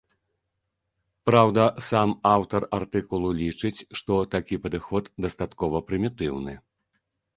Праўда, сам аўтар артыкулу лічыць, што такі падыход дастаткова прымітыўны.